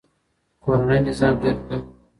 کورنۍ نظام ډیر کلک و